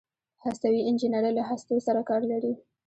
هستوي انجنیری له هستو سره کار لري.